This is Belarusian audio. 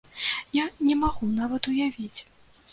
Я не магу нават уявіць.